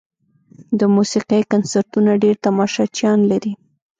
د موسیقۍ کنسرتونه ډېر تماشچیان لري.